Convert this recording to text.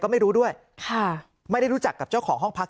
ไม่รู้ด้วยค่ะไม่ได้รู้จักกับเจ้าของห้องพัก